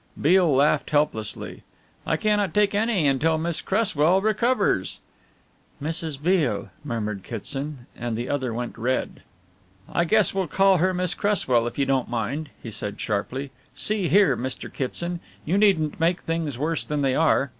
Beale laughed helplessly. "I cannot take any until Miss Cresswell recovers." "Mrs. Beale," murmured Kitson, and the other went red. "I guess we'll call her Miss Cresswell, if you don't mind," he said sharply, "see here, Mr. Kitson, you needn't make things worse than they are.